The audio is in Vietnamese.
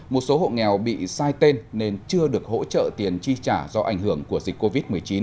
một số hộ nghèo bị sai tên nên chưa được hỗ trợ tiền chi trả do ảnh hưởng của dịch covid một mươi chín